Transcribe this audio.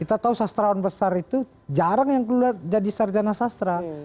kita tahu sastrawan besar itu jarang yang keluar jadi sarjana sastra